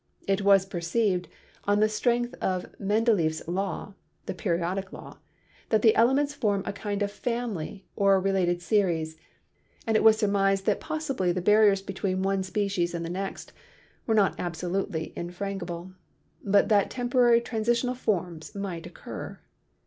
It was per ceived, on the strength of Mendeleeff's law (the periodic law), that the elements form a kind of family or related series, and it was surmised that possibly the barriers be tween one species and the next were not absolutely in frangible, but that temporary transitional forms might occur.